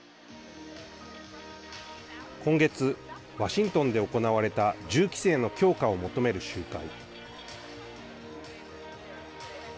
今月、ワシントンで行われた銃規制の強化を求める集会。